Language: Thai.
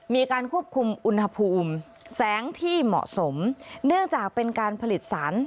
มีการควบคุมอุณหภูมิแสงที่เหมาะสมเนื่องจากเป็นการผลิตสาร